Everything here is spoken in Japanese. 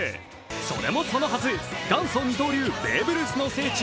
それもそのはず、元祖二刀流、ベーブ・ルースの聖地